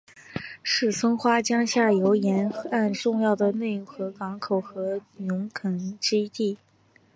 是松花江下游沿岸重要的内河港口和农垦基地。